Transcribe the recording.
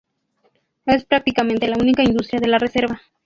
Es prácticamente la única industria de la reserva.